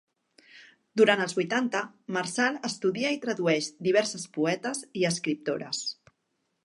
Durant els vuitanta, Marçal estudia i tradueix diverses poetes i escriptores.